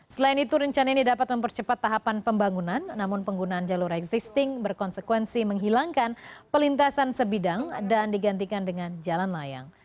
selain itu rencana ini dapat mempercepat tahapan pembangunan namun penggunaan jalur existing berkonsekuensi menghilangkan pelintasan sebidang dan digantikan dengan jalan layang